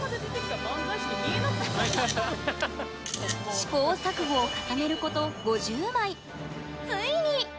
試行錯誤を重ねること５０枚、ついに。